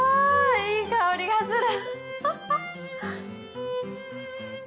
いい香りがする。